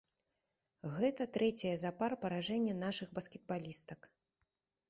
Гэта трэцяе запар паражэнне нашых баскетбалістак.